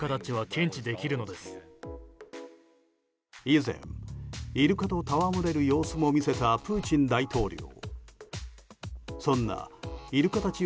以前、イルカと戯れる様子も見せたプーチン大統領。